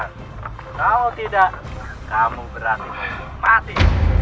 kalau tidak kamu berani mati